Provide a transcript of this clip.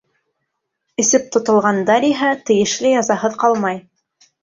Эсеп тотолғандар иһә тейешле язаһыҙ ҡалмай.